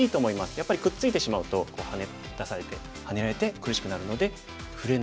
やっぱりくっついてしまうとハネ出されてハネられて苦しくなるので触れない。